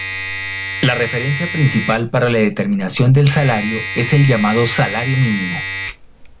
La referencia principal para la determinación del salario es el llamado salario mínimo.